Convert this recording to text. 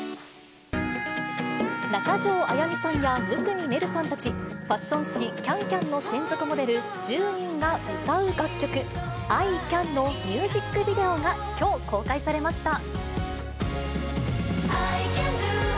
中条あやみさんや、生見愛瑠さんたちファッション誌、キャンキャンの専属モデル１０人が歌う楽曲、アイ・キャンのミュージックビデオがきょう公開されました。